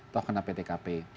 toh kena ptkp